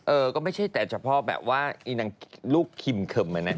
เออก็ไม่ใช่แต่เฉพาะแบบว่าอีนางลูกคิมเขิมอะนะ